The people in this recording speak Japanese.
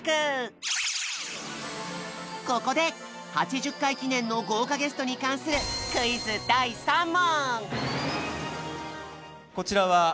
ここで８０回記念の豪華ゲストに関するクイズ第３問！